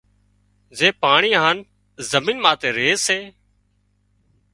زي پاڻي هانَ زمين ماٿي ري سي